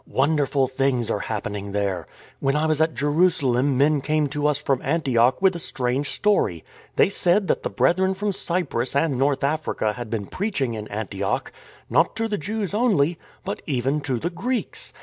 " Wonderful things are happening there. 99 100 IN TRAINING When I was at Jerusalem men came to us from Antioch with a strange story. They said that the Brethren from Cyprus and North Africa had been preaching in Antioch, not to the Jews only, but even to the Greeks.